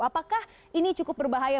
apakah ini cukup berbahaya